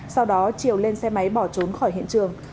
sau đó triều lên xe máy bỏ trốn khỏi hiện trường